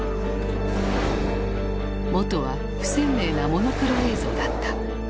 元は不鮮明なモノクロ映像だった。